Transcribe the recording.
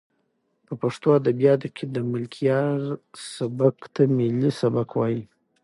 په پښتو ادبیاتو کې د ملکیار سبک ته ملي سبک وایي.